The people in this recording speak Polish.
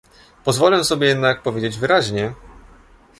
Pozwolę sobie jednak powiedzieć wyraźnie